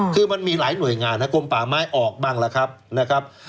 คือมันมีหลายหน่วยงานนะครับกรมป่าไม้ออกบ้างละครับ